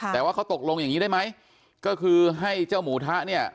แต่ว่าเขาตกลงอย่างนี้ได้ไหมก็คือให้เจ้าหมูทะเนี่ย